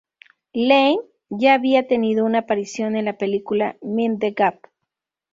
Lane ya había tenido una aparición en la película "Mind the Gap".